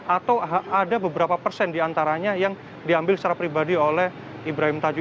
atau ada beberapa persen diantaranya yang diambil secara pribadi oleh ibrahim tajuh